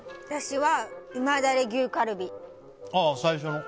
私は旨だれ牛カルビ。